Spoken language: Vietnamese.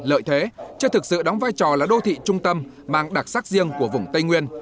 lợi thế chưa thực sự đóng vai trò là đô thị trung tâm mang đặc sắc riêng của vùng tây nguyên